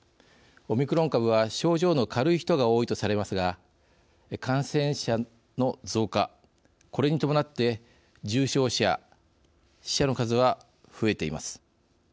オミクロン株は症状の軽い人が多いとされますが感染者の増加、これに伴って重症者、死者の数は増えています。